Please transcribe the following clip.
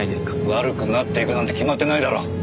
悪くなっていくなんて決まってないだろ。